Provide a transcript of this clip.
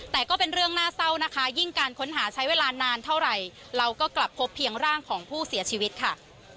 แต่ก็เป็นเรื่องน่าเศร้านะคะยิ่งการค้นหาใช้เวลานานเท่าไหร่เราก็กลับพบเพียงร่างของผู้เสียชีวิตค่ะ